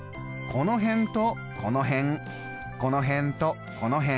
この辺とこの辺。